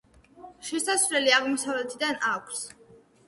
შესასვლელი აღმოსავლეთიდან აქვს.